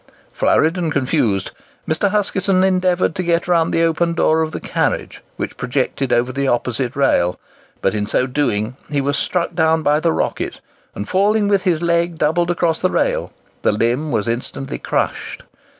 Flurried and confused, Mr. Huskisson endeavoured to get round the open door of the carriage, which projected over the opposite rail; but in so doing he was struck down by the "Rocket," and falling with his leg doubled across the rail, the limb was instantly crushed.